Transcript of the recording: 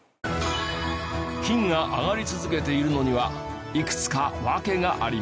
金が上がり続けているのにはいくつか訳があります。